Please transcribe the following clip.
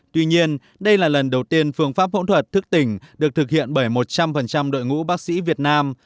tuy nhiên đây là lần đầu tiên phương pháp phẫu thuật thức tỉnh được thực hiện bởi một trăm linh đội ngũ bác sĩ việt nam